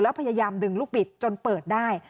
แล้วพยายามดึงลูกบิดจนเปิดได้